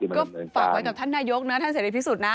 ก็ฝากไว้กับท่านนายกนะท่านเสรีพิสุทธินะ